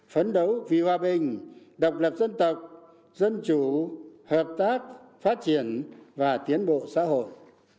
phấn đấu vì hòa bình độc lập dân tộc dân chủ hợp tác phát triển và tiến bộ xã hội